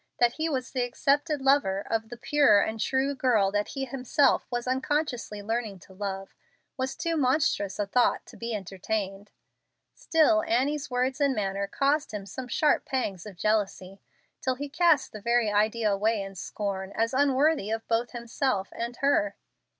That he was the accepted lover of the pure and true girl that he himself was unconsciously learning to love was too monstrous a thought to be entertained. Still Annie's words and manner caused him some sharp pangs of jealousy, till he cast the very idea away in scorn as unworthy of both himself and her.